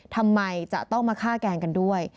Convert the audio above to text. ทำไมจะต้องมาฆ่าแกล้งกันด้วย